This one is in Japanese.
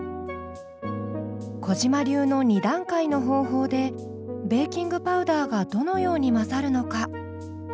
小嶋流の２段階の方法でベーキングパウダーがどのように混ざるのか。